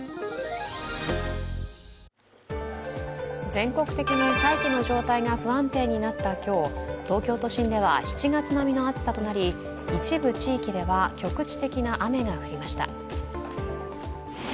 全国的に大気の状態が不安定になった今日、東京都心では７月並みの暑さとなり一部地域では局地的な雨が降りました。